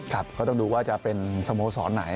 ก็ต้องดูว่าจะเป็นสโมสรไหน